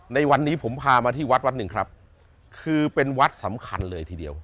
ในวันนี้ผมพามาที่วัดวัดหนึ่งครับคือเป็นวัดสำคัญเลยทีเดียว